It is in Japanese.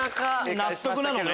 納得なのね？